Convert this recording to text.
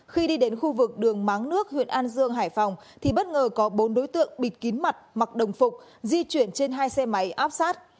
khi đi đến khu vực đường máng nước huyện an dương hải phòng thì bất ngờ có bốn đối tượng bịt kín mặt mặc đồng phục di chuyển trên hai xe máy áp sát